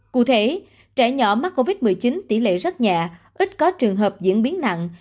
cụ thể trẻ nhỏ mắc covid một mươi chín tỷ lệ rất nhẹ ít có trường hợp diễn biến nặng